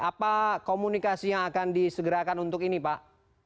apa komunikasi yang akan disegerakan untuk ini pak